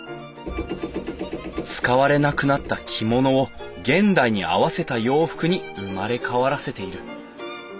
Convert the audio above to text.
使われなくなった着物を現代に合わせた洋服に生まれ変わらせている。